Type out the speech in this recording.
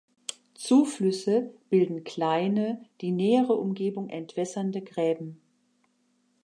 Zuflüsse bilden kleine, die nähere Umgebung entwässernde Gräben.